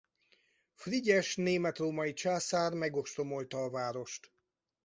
Frigyes német-római császár megostromolta a várost.